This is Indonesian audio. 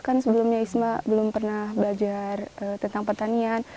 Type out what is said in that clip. kan sebelumnya isma belum pernah belajar tentang pertanian